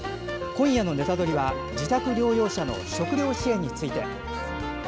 今夜の「ネタドリ！」は自宅療養者の食料支援について。